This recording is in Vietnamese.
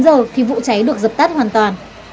đến một mươi chín h thì vụ cháy được dập tắt hoàn toàn